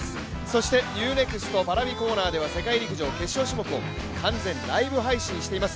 そしてＵ−ＮＥＸＴＰａｒａｖｉコーナーでは世界陸上決勝種目を完全ライブ配信しています。